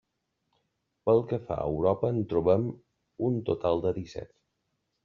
Pel que fa a Europa en trobem un total de disset.